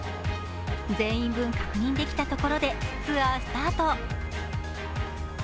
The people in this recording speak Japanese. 全員分確認できたところでツアースタート。